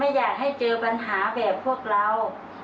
อยากให้เจอปัญหาแบบพวกเรา